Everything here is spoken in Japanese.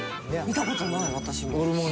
見た事ない私も。